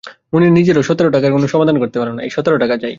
মুনির নিজেও সতের টাকার কোনো সমাধান করতে পারল না।